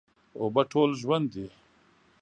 اوبه ټول ژوند دي.